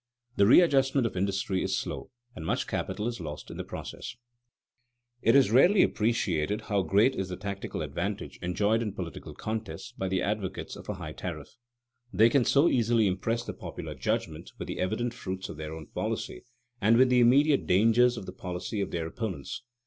The readjustment of industry is slow and much capital is lost in the process. [Sidenote: The two policies in political discussion] It is rarely appreciated how great is the tactical advantage enjoyed in political contests by the advocates of a high tariff. They can so easily impress the popular judgment with the evident fruits of their own policy, and with the immediate dangers of the policy of their opponents.